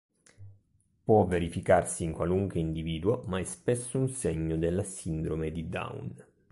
Può verificarsi in qualunque individuo, ma è spesso un segno della sindrome di Down.